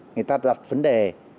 người ta đặt vấn đề